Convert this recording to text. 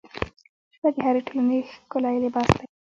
ژبه د هرې ټولنې ښکلی لباس دی